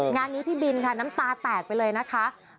งานนี้พี่บินค่ะน้ำตาแตกไปเลยนะคะ